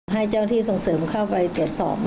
ให้เจ้าที่ส่งเสริมเข้าไปตรวจสอบ